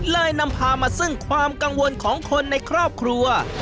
นำพามาซึ่งความกังวลของคนในครอบครัว